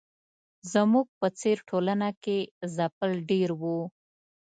زموږ په څېر ټولنه کې ځپل ډېر وو.